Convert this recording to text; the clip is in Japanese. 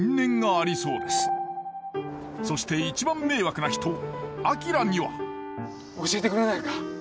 そして一番迷惑な人明には教えてくれないか？